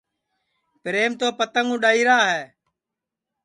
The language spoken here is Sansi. پِریم تو پتنٚگ اُڈؔائیرا ہے